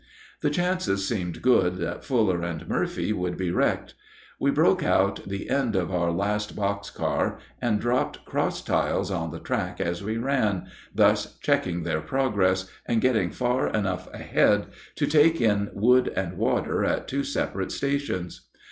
The chances seemed good that Fuller and Murphy would be wrecked. We broke out the end of our last box car and dropped cross ties on the track as we ran, thus checking their progress and getting far enough ahead to take in wood and water at two separate stations.